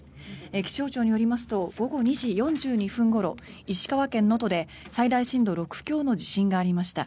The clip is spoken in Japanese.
気象庁によりますと午後２時４２分ごろ石川県能登で最大震度６強の地震がありました。